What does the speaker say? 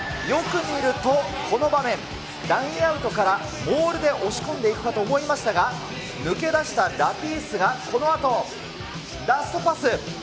よく見ると、この場面、ラインアウトからモールで押し込んでいくかと思いましたが、抜け出したラピースがこのあと、ラストパス。